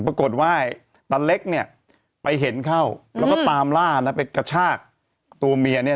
ปรากฏว่าตัวเล็กไปเห็นเข้าแล้วก็ตามล่าไปกระชากยนี้